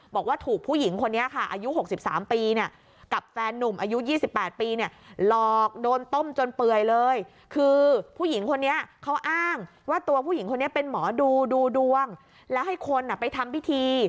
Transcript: บอกว่าถูกผู้หญิงคนนี้ค่ะอายุ๖๓ปีเนี่ยกับแฟนนุ่มอายุ๒๘ปีเนี่ยหลอกโดนต้มจนเปื่อยเลยคือผู้หญิงคนนี้เขาอ้างว่าตัวผู้หญิงคนนี้เป็นหมอดูดูดวงแล้วให้คนไปทำพิธี